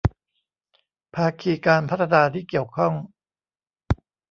ภาคีการพัฒนาที่เกี่ยวข้อง